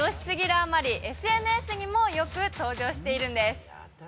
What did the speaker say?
あまり、ＳＮＳにもよく登場しているんです。